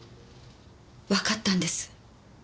わかったんです。